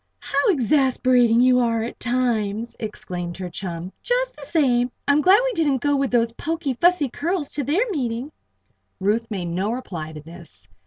"How exasperating you are at times!" exclaimed her chum. "Just the same, I am glad we didn't go with those poky Fussy Curls to their meeting." Ruth made no reply to this.